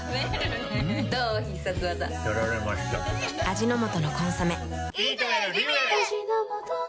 味の素の「コンソメ」